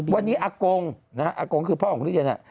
วันนี้อโกงอโกงคือพ่อของรุ่นดิน